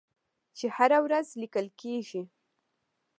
چې هره ورځ لیکل کیږي.